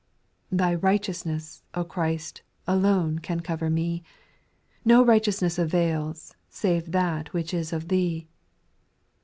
Thy righteousness, O Christ I Alone can cover me ; No righteousness avails, Save that which is of Thee.